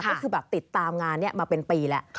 ก็คือแบบติดตามงานนี้มาเป็นปีแล้ว